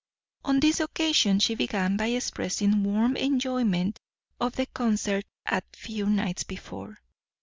On this occasion she began by expressing warm enjoyment of the concert a few nights before.